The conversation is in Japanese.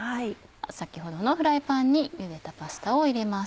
先ほどのフライパンにゆでたパスタを入れます。